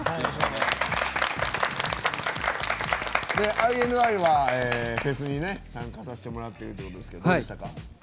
ＩＮＩはフェスに参加させてもらってるということですけどどうでしたか？